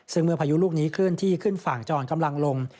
ซึ่งเมื่อพายุลูกนี้เคลื่อนที่ขึ้นฝั่งจรกำลังลง